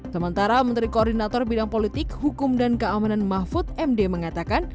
sementara menteri koordinator bidang politik hukum dan keamanan mahfud md mengatakan